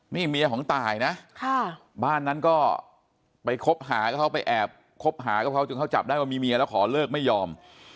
นี่เมียของตายนะบ้านนั้นก็ไปคบหากับเขาไปแอบคบหากับเขาจนเขาจับได้ว่ามีเมียแล้วขอเลิกไม่ยอม